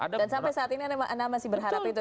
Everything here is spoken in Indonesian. dan sampai saat ini anda masih berharap itu